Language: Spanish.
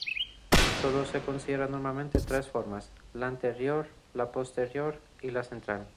Sólo se consideran normalmente tres formas: la anterior, la posterior y la central.